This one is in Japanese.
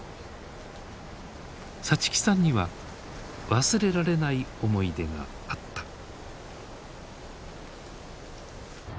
さちきさんには忘れられない思い出があった。